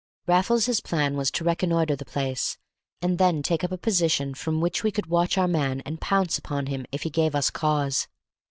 Raffles's plan was to reconnoitre the place, and then take up a position from which we could watch our man and pounce upon him if he gave us cause.